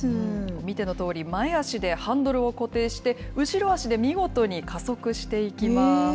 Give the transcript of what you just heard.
見てのとおり、前足でハンドルを固定して、後ろ足で見事に加速していきます。